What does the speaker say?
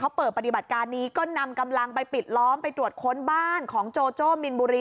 เขาเปิดปฏิบัติการนี้ก็นำกำลังไปปิดล้อมไปตรวจค้นบ้านของโจโินบุรี